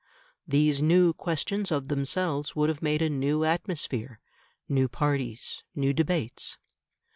These new questions of themselves would have made a new atmosphere, new parties, new debates.